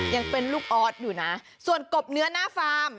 ยังเป็นลูกออสอยู่นะส่วนกบเนื้อหน้าฟาร์ม